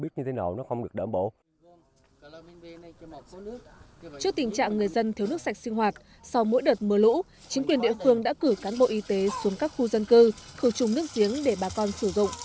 trước tình trạng người dân thiếu nước sạch sinh hoạt sau mỗi đợt mưa lũ chính quyền địa phương đã cử cán bộ y tế xuống các khu dân cư khử trùng nước giếng để bà con sử dụng